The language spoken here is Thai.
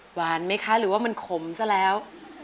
หวานไหมคะหรือว่ามันขมซะแล้ว